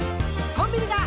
「コンビニだ！